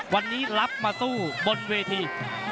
วันนี้รับมาสู้บนเวที